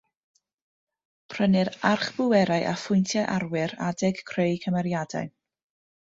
Prynir archbwerau â Phwyntiau Arwyr adeg creu cymeriadau.